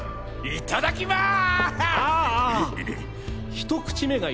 いただきます！